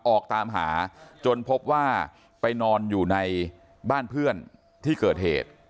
ออกตามหาจนพบว่าไปนอนอยู่ในบ้านเพื่อนที่เกิดเหตุ